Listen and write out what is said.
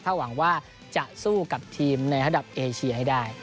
หวังว่าจะสู้กับทีมในระดับเอเชียให้ได้